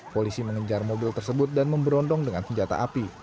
polisi mengejar mobil tersebut dan memberondong dengan senjata api